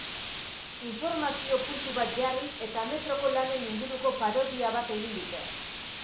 Informazio puntu bat jarri eta metroko lanen inguruko parodia bat egin dute.